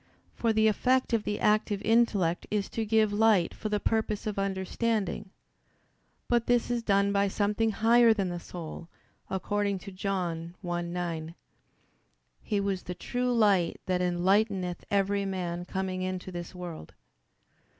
For the effect of the active intellect is to give light for the purpose of understanding. But this is done by something higher than the soul: according to John 1:9, "He was the true light that enlighteneth every man coming into this world."